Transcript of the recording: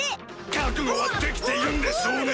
覚悟はできているんでしょうね